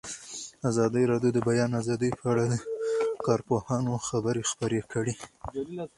ازادي راډیو د د بیان آزادي په اړه د کارپوهانو خبرې خپرې کړي.